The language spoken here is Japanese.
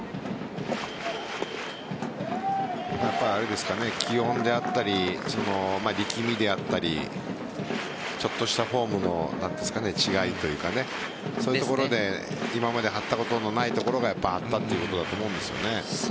やっぱり気温であったり力みであったりちょっとしたフォームの違いというかそういうところで今まで張ったことないところが張ったということだと思うんですよね。